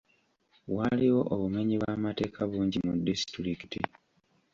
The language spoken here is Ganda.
Waaliwo obumenyi bw'amateeka bungi mu disitulikiti